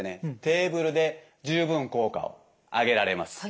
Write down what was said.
テーブルで十分効果を上げられます。